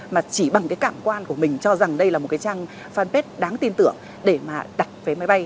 mà chỉ bằng cái cảm quan của mình cho rằng đây là một cái trang fanpage đáng tin tưởng để mà đặt vé máy bay